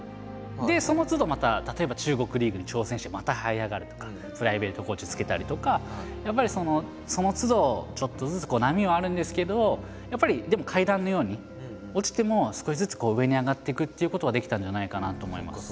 そのつどまた例えば中国リーグに挑戦してまたはい上がるとかプライベートコーチつけたりとかやっぱりそのつどちょっとずつ波はあるんですけどやっぱりでもっていうことができたんじゃないかなと思います。